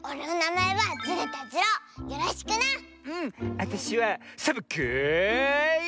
あたしはサボ子よ！